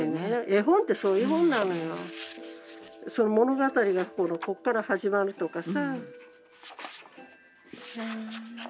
その物語がここから始まるとかさ。